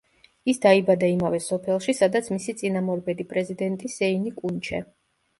ის დაიბადა იმავე სოფელში, სადაც მისი წინამორბედი პრეზიდენტი სეინი კუნჩე.